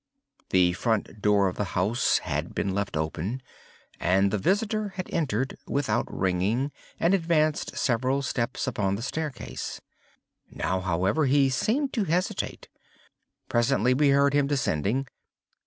The front door of the house had been left open, and the visitor had entered, without ringing, and advanced several steps upon the staircase. Now, however, he seemed to hesitate. Presently we heard him descending.